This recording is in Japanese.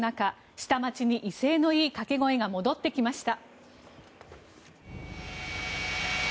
下町に威勢がいい掛け声が戻ってきました。